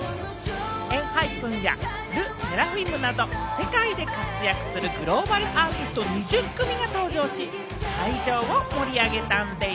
ＥＮＨＹＰＥＮやＬＥＳＳＥＲＡＦＩＭなど世界で活躍するグローバルアーティスト２０組が登場し、会場を盛り上げたんでぃす。